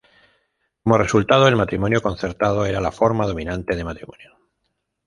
Como resultado el matrimonio concertado era la forma dominante de matrimonio.